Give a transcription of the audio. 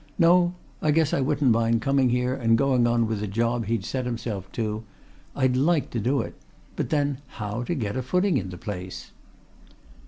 No; I guess I wouldn't mind coming here and going on with the job he'd set himself to; I'd like to do it But, then, how to get a footing in the place?"